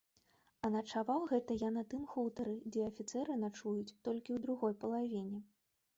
А начаваў гэта я на тым хутары, дзе афіцэры начуюць, толькі ў другой палавіне.